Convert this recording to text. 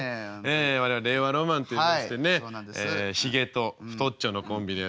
我々令和ロマンといいましてねヒゲと太っちょのコンビです。